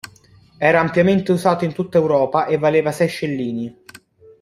Era ampiamente usato in tutta Europa e valeva sei scellini.